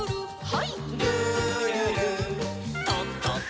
はい。